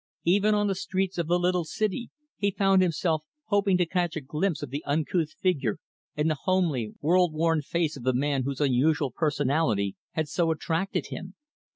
Even on the streets of the little city, he found himself hoping to catch a glimpse of the uncouth figure and the homely, world worn face of the man whose unusual personality had so attracted him.